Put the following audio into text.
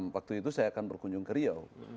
waktu itu saya akan berkunjung ke riau